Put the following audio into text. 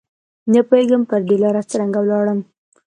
نه پوهېږم پر دې لاره څرنګه ولاړم